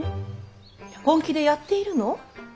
本気でやっているの？